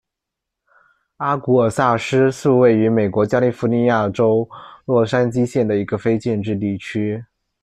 阿古尔萨斯是位于美国加利福尼亚州洛杉矶县的一个非建制地区。